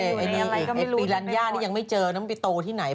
ลงมาอยู่ในอะไรก็ไม่รู้ปีลัญญานี่ยังไม่เจอน้ำมันไปโตที่ไหน